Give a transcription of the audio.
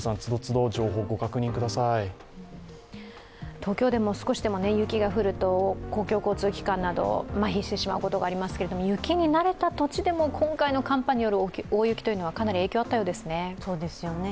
東京でも少しでも雪が降ると公共交通機関などまひしてしまうことがありますけれども、雪に慣れた土地でも今回の寒波による大雪というのはかなり影響があったようですね。